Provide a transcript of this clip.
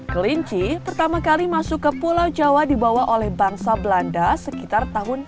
kelinci pertama kali masuk ke pulau jawa dibawa oleh bangsa belanda sekitar tahun seribu delapan ratus an